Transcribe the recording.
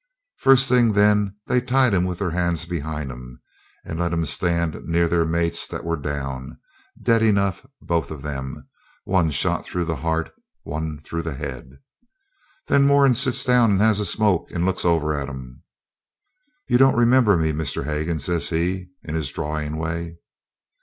First thing, then, they tied 'em with their hands behind 'em, and let 'em stand up near their mates that were down dead enough, both of them, one shot through the heart and one through the head. Then Moran sits down and has a smoke, and looks over at 'em. 'You don't remember me, Mr. Hagan?' says he, in his drawling way.